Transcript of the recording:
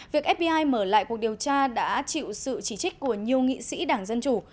việc fdi mở lại cuộc điều tra đã chịu sự chỉ trích của nhiều nghị sĩ đảng dân chủ